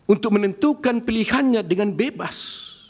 untuk menentukan pilihannya dengan bebas